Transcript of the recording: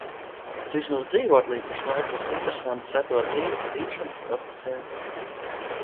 Bet vismaz dzīvoklī pašlaik būs interesanti sekot līdzi dīgšanas procesiem.